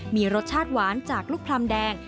มีรสชาติหวานจากลูกพร่ำแดง